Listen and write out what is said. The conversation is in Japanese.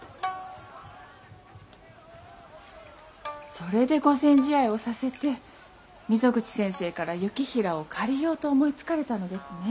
それで御前試合をさせて溝口先生から行平を借りようと思いつかれたのですね。